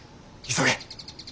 急げ。